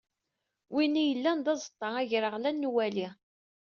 Win i yellan d aẓeṭṭa agraɣlan n uwali.